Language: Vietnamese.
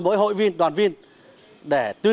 và tiện nạn ma túy